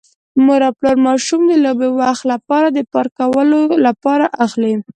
مور او پلار ماشوم د لوبې وخت لپاره پارک کولو لپاره اخلي.